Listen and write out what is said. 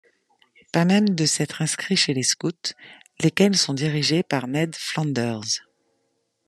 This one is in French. Pas même de s'être inscrit chez les scouts, lesquels sont dirigés par Ned Flanders.